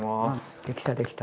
できたできた！